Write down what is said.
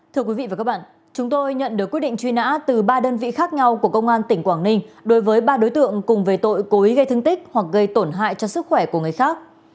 thưa quý vị và các bạn chúng tôi nhận được quyết định truy nã từ ba đơn vị khác nhau của công an tỉnh quảng ninh đối với ba đối tượng cùng về tội cố ý gây thương tích hoặc gây tổn hại cho sức khỏe của người khác